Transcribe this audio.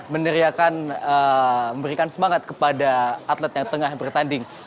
meneriakan memberikan semangat kepada atlet yang tengah bertanding